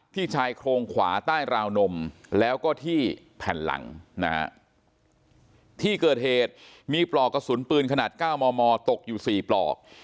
ชายโครงขวาใต้ราวนมแล้วก็ที่แผ่นหลังนะฮะที่เกิดเหตุมีปลอกกระสุนปืนขนาด๙มมตกอยู่๔ปลอก